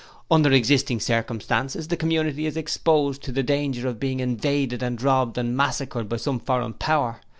'Under existing circumstances the community is exposed to the danger of being invaded and robbed and massacred by some foreign power.